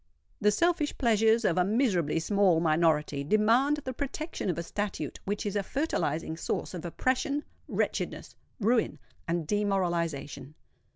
The selfish pleasures of a miserably small minority demand the protection of a statute which is a fertilising source of oppression, wretchedness, ruin, and demoralization.